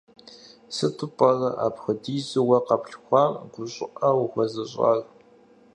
Сыту пӀэрэ апхуэдизу уэ къэплъхуам гу щӀыӀэ ухуэзыщӀар?